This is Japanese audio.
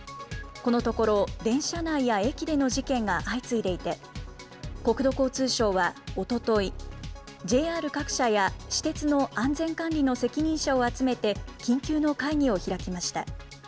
このところ、電車内や駅での事件が相次いでいて、国土交通省は、おととい、ＪＲ各社や私鉄の安全管理の責任者を集めて、緊急の会議を開きました。